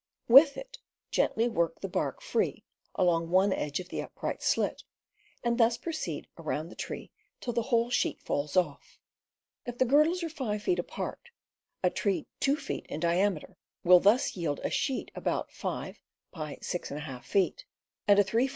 With it gently work the bark free along one edge of the upright slit, and thus pro ceed around the tree till the whole sheet falls off. If the girdles are 5 feet apart, a tree 2 feet in diameter will thus yield a sheet about 5x6^ feet, and a 3 foot Fig.